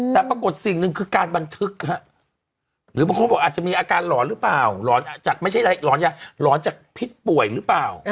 แต่ปรากฏสิ่งหนึ่งคือการบันทึกหรือบางคนบอกอาจจะมีอาการหลอนหรือเปล่าหลอนจากพิษป่วยหรือเปล่า